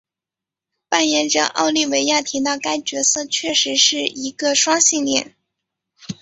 扮演者奥利维亚提到该角色确实是一个双性恋。